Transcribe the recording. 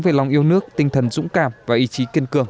về lòng yêu nước tinh thần dũng cảm và ý chí kiên cường